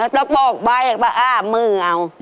ต้องบอกใบกับอ้าวมืออย่างน้อย